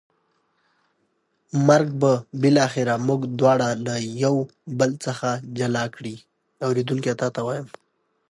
مرګ به بالاخره موږ دواړه له یو بل څخه جلا کړي.